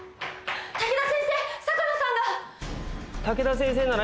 武田先生！